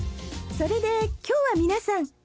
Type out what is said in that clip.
それで今日は皆さん